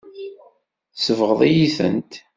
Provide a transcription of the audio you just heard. Tesbeɣ-iyi-tent.